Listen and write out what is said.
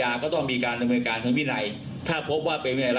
นะครับผมก็ต้องให้การว่าเขาให้การว่าเขาให้การขัดแย้งข้อเรียกจริงนะครับ